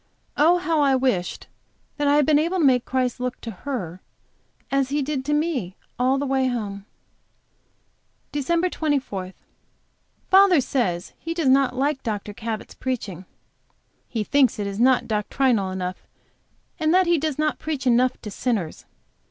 Oh, how I wished that I had been able to make Christ look to her as He did to me all the way home. DEC. 24. Father says he does not like Dr. Cabot's preaching. He thinks that it is not doctrinal enough, and that he does not preach enough to sinners.